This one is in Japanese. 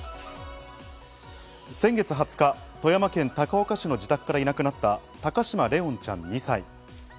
先月２０日、富山県高岡市の自宅からいなくなった高嶋怜音ちゃん、２歳。